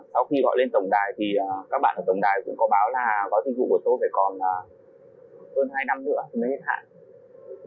sau khi gọi lên tổng đài thì các bạn ở tổng đài cũng có báo là có dịch vụ của tôi phải còn hơn hai năm nữa thì mới hết hạn